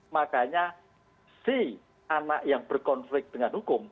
makanya si anak yang berkonflik dengan hukum